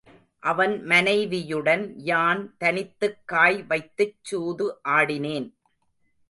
அவன் மனைவியுடன் யான் தனித்துக் காய் வைத்துச் சூது ஆடினேன்.